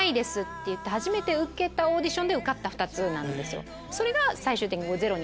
って言って初めて受けたオーディションで受かった２つなんですよ。